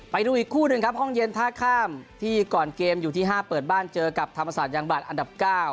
ไปดูอีกคู่หนึ่งครับห้องเย็นท่าข้ามที่ก่อนเกมอยู่ที่๕เปิดบ้านเจอกับธรรมศาสตร์ยังบัตรอันดับ๙